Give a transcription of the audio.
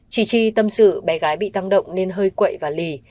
chỉ chi tâm sự bé gái bị tăng động nên hơi quậy và lì